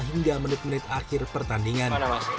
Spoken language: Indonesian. hingga menit menit akhir pertandingan